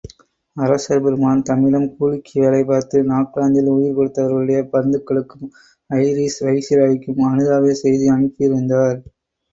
அரசர் பெருமான் தம்மிடம் கூலிக்கு வேலைபார்த்து நாக்லாங்கில் உயிர் கொடுத்தவர்களுடைய பந்துக்களுக்கும் ஐரீஷ் வைசிராய்க்கும் அனுதாபச் செய்தி அனுப்பியிருந்தார்.